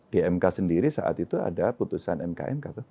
di mk sendiri saat itu ada putusan mkmk tuh